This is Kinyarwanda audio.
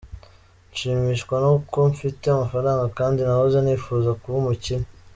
Nshimishwa ni uko mfite amafaranga kandi nahoze nifuza kuba umukire.